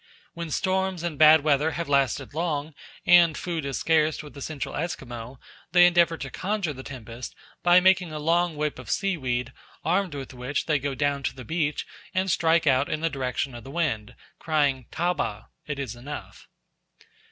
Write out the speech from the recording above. When storms and bad weather have lasted long and food is scarce with the Central Esquimaux, they endeavour to conjure the tempest by making a long whip of seaweed, armed with which they go down to the beach and strike out in the direction of the wind, crying "Taba (it is enough)!"